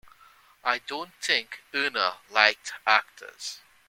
I don't think Irna liked actors.